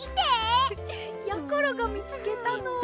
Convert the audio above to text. やころがみつけたのは。